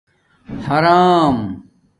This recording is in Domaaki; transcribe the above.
حݳرَام